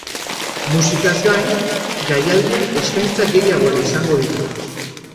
Musikaz gain, jaialdiak eskaintza gehiago ere izango ditu.